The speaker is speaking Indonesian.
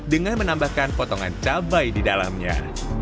dengan menambahkan potongan cabai di dalamnya